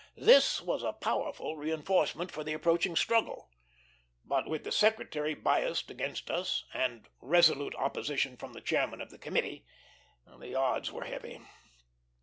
This was a powerful reinforcement for the approaching struggle; but with the Secretary biassed against us, and resolute opposition from the chairman of the committee, the odds were heavy.